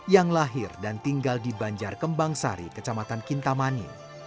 yang lahir dan tinggal di banjar kembangsari kecamatan kintamani